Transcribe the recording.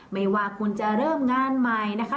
ไม่ว่าคุณจะเริ่มงานใหม่นะคะ